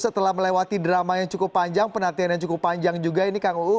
setelah melewati drama yang cukup panjang penantian yang cukup panjang juga ini kang uu